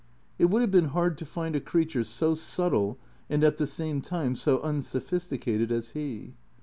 It would have been hard to find a creature so subtle and at the same time so unsophisticated as he.